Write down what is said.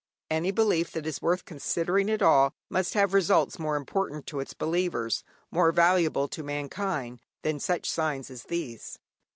Any belief that is worth considering at all must have results more important to its believers, more valuable to mankind, than such signs as these.